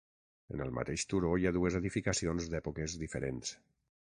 En el mateix turó hi ha dues edificacions d'èpoques diferents.